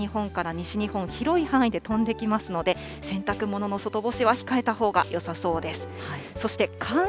きょうも北日本から西日本、広い範囲で飛んできますので、洗濯物の外干しは控えたほうがよさそうです。